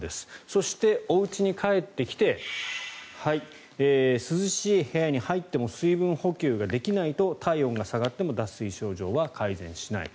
そして、おうちに帰ってきて涼しい部屋に入っても水分補給ができないと体温が下がっても脱水症状は改善しない。